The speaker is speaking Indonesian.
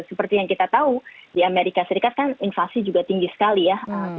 seperti yang kita tahu di amerika serikat kan inflasi juga tinggi sekali ya